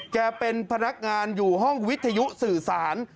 เป็นพนักงานอยู่ห้องวิทยุสื่อสาร